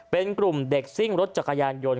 เป็นกลุ่มเด็กซิ่งรถจักรยานยนต์